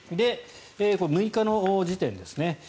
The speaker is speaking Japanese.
で、６日の時点ですね。